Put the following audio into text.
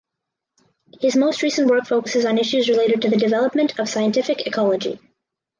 His most recent work focuses on issues related to the development of scientific ecology.